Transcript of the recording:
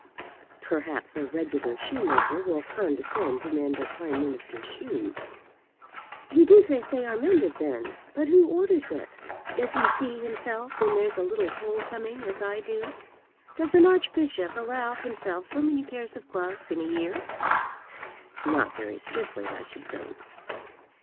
"Perhaps a regular shoemaker will condescend to mend a Prime Minister's shoes." "You do think they are mended then? But who orders it? Does he see himself when there's a little hole coming, as I do? Does an archbishop allow himself so many pairs of gloves in a year?" "Not very strictly, I should think."